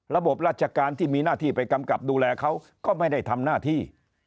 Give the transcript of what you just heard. ระบบราชการที่มีหน้าที่ไปกำกับดูแลเขาก็ไม่ได้ทำหน้าที่